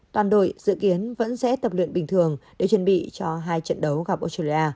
toàn đội dự kiến vẫn sẽ tập luyện bình thường để chuẩn bị cho hai trận đấu gặp australia